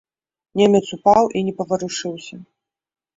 Немец упаў і не паварушыўся.